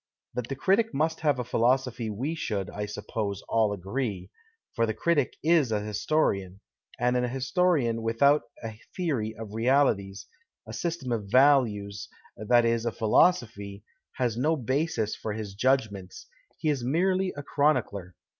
That the critic must have a philosophy we should, I suppose, all aorcc ; for the critic is a historian, and a historian without a theory of realities, a system of values, i.e., a philosophy, has no basis for his judgments — he is merely a chronicler.